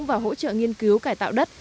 và hỗ trợ nghiên cứu cải tạo đất